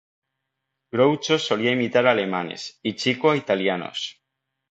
Groucho solía imitar a alemanes y Chico a italianos.